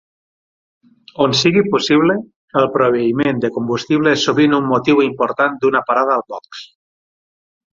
On sigui possible, el proveïment de combustible és sovint un motiu important d'una parada al box.